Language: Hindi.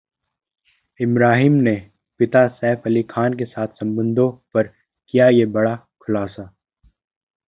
इब्राहिम ने पिता सैफ अली खान के साथ संबंधों पर किया ये बड़ा खुलासा